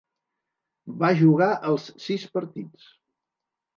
Va jugar els sis partits.